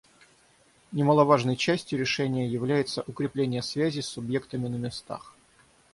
Немаловажной частью решения является укрепление связей с субъектами на местах.